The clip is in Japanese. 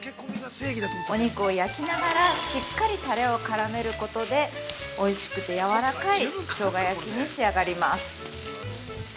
お肉を焼きながらしっかりタレを絡めることでおいしくてやわらかいしょうが焼きに仕上がります。